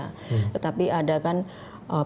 kalau yang share pemerintah jelas masuk ke bank indonesia